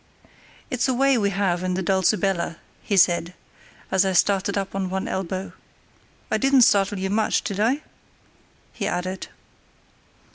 "It's a way we have in the Dulcibella," he said, as I started up on one elbow. "I didn't startle you much, did I?" he added.